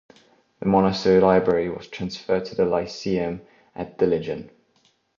The monastery library was transferred to the "Lyceum" at Dillingen.